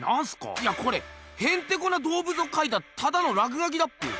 いやこれヘンテコな動物をかいたただのらくがきだっぺよ。